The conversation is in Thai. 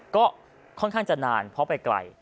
ก็ค่อนข้างจะนานเพราะไปไกล